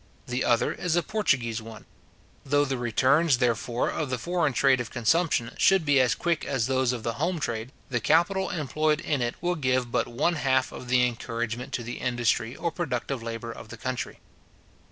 The other is a Portuguese one. Though the returns, therefore, of the foreign trade of consumption, should be as quick as those of the home trade, the capital employed in it will give but one half of the encouragement to the industry or productive labour of the country.